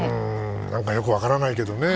何かよく分からないけどね。